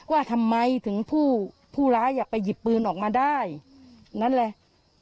ว่าทำไมถึงผู้ร้ายไปหยิบปืนออกมาได้นั่นแหละ